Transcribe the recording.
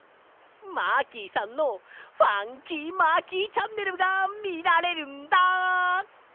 マーキーさんの「ファンキーマーキーチャンネル」がみられるんだ！